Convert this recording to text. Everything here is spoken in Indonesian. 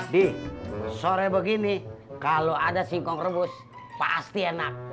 di sore begini kalau ada singkong rebus pasti enak